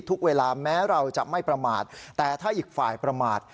ทุกเวลาแม้เราจะไม่ประมาทแต่ถ้าอีกฝ่ายประมาท